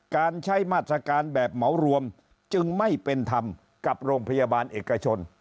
การใช้มาตรการแบบเหมารวมจึงไม่เป็นธรรมกับโรงพยาบาลเอกชน